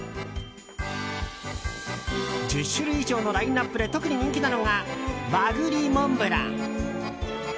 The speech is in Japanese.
１０種類以上のラインアップで特に人気なのが和栗モンブラン。